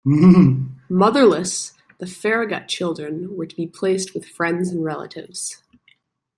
Motherless, the Farragut children were to be placed with friends and relatives.